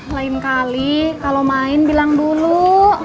lain kali kalau main bilang dulu